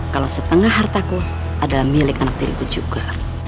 kalau setengah hartaku adalah milik anak tiriku juga